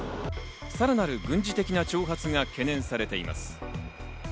さらなる軍事的な挑発が懸念されています。